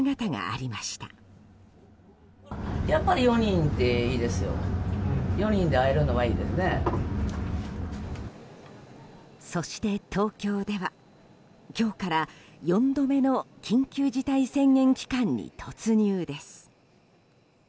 そして、東京では今日から４度目の緊急事態宣言期間に突入です。